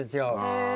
へえ。